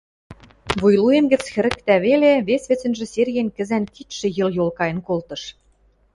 вуйлуэм гӹц хӹрыктӓ веле, вес вецӹнжӹ Серген кӹзӓн кидшӹ йыл-йол кайын колтыш.